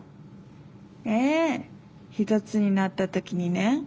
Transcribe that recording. ええひとつになったときにね。